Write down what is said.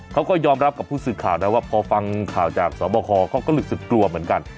เขาก็ยอมรับกับผู้สื่อข่าวนะว่าพอฟังข่าวจากสวบคเขาก็รู้สึกกลัวเหมือนกัน